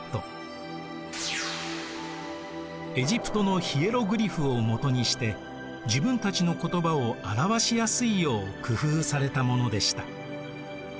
エジプトのヒエログリフを基にして自分たちの言葉を表しやすいよう工夫されたものでした。